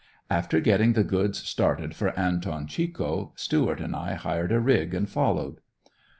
After getting the goods started for Anton Chico, Stuart and I hired a rig and followed.